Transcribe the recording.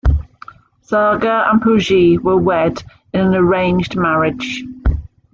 Saga and Pujie were wed in an arranged marriage.